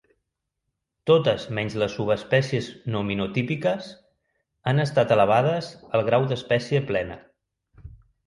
Totes menys les subespècies nominotípiques han estat elevades al grau d'espècie plena.